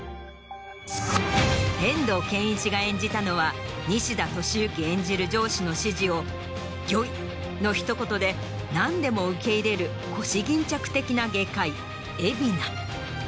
遠藤憲一が演じたのは西田敏行演じる上司の指示を「御意」のひと言で何でも受け入れる腰巾着的な外科医海老名。